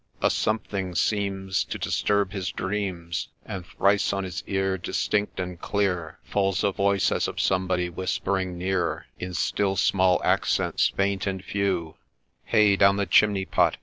A something seems To disturb his dreams, And thrice on hie ear, distinct and clear, Falls a voice as of somebody whispering near In still small accents, faint and few, ' Hey down the chimney pot